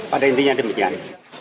pada intinya demikian